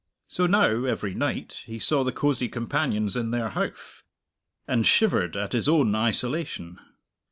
So now, every night, he saw the cosy companions in their Howff, and shivered at his own isolation.